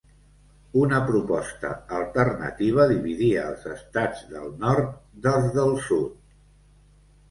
Una proposta alternativa dividia els estats del nord dels del sud.